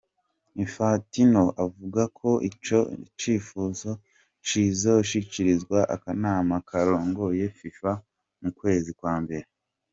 Infantino avuga ko ico cipfuzo kizoshikirizwa akanama karongoye Fifa mu kwezi kwa mbere.